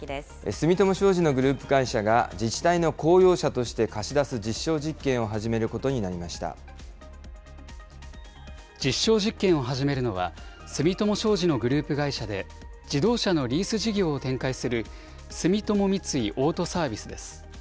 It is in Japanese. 住友商事のグループ会社が自治体の公用車として貸し出す実証実証実験を始めるのは、住友商事のグループ会社で自動車のリース事業を展開する住友三井オートサービスです。